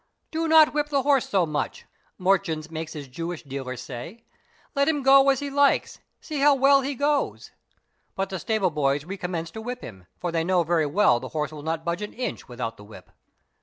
'Do not whip the horse so much,' Mortgens "makes his Jewish dealer say, "let him go as he likes, see how well he " goes"; but the stable boys recommence to whip him, for they know very well the horse will not budge an inch without the whip.